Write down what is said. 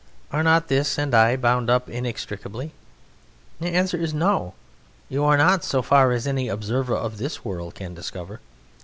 Are not this and I bound up inextricably?" The answer is "No; you are not so far as any observer of this world can discover.